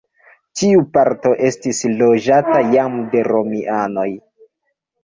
Tiu parto estis loĝata jam de romianoj.